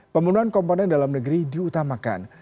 pembunuhan komponen dalam negeri diutamakan